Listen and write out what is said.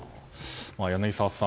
柳澤さん。